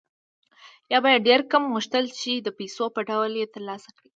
یا به یې ډېر کم غوښتل چې د پیسو په ډول یې ترلاسه کړي